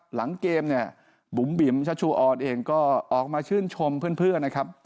หลังเกมเนี่ยบุ๋มบิ๋มชัชชูออนเองก็ออกมาชื่นชมเพื่อนนะครับ